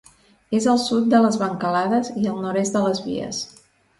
És al sud de les Bancalades i al nord-est de les Vies.